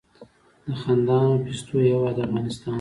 د خندانو پستو هیواد افغانستان.